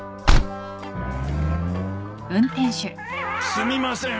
すみません。